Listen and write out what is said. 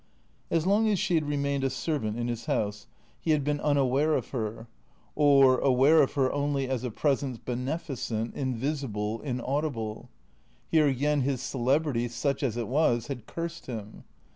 As long as she had remained a servant in his house he had 3G4 THECEEATOES 365 been unaware of her, or aware of her only as a presence benefi cent, invisible, inaudible. Here again his celebrity, such as it was, had cursed him.